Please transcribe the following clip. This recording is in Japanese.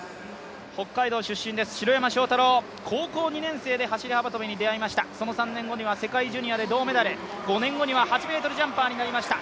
北海道出身です、城山正太郎高校２年生で走幅跳に出会いましたその３年後には世界ジュニアで銅メダル、８ｍジャンパーにもなりました